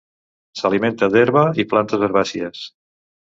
S'alimenta d'herba i plantes herbàcies.